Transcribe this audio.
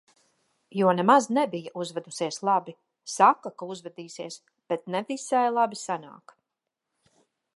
Jo nemaz nebija uzvedusies labi. Saka, ka uzvedīsies, bet ne visai labi sanāk.